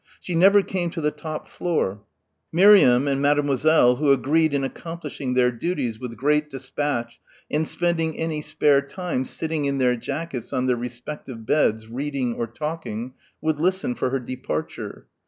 She never came to the top floor. Miriam and Mademoiselle, who agreed in accomplishing their duties with great despatch and spending any spare time sitting in their jackets on their respective beds reading or talking, would listen for her departure.